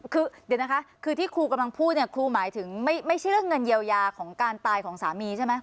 คือเดี๋ยวนะคะคือที่ครูกำลังพูดเนี่ยครูหมายถึงไม่ใช่เรื่องเงินเยียวยาของการตายของสามีใช่ไหม